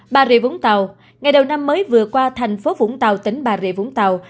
bà rịa vũng tàu ngày đầu năm mới vừa qua thành phố vũng tàu tỉnh bà rịa vũng tàu